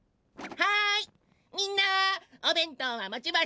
はい！